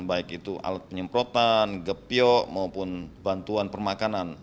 baik itu alat penyemprotan gepiok maupun bantuan permakanan